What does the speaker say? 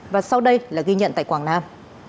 và sau đây là ghi nhận tại quảng nam